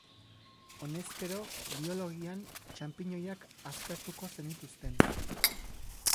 Honezkero, biologian txanpiñoiak aztertuko zenituzten.